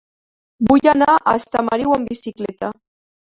Vull anar a Estamariu amb bicicleta.